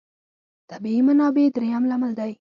طبیعي منابع درېیم لامل دی.